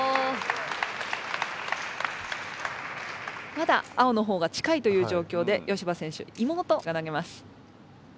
まだ青のほうが近いというじょうきょうで吉葉選手妹が投げます。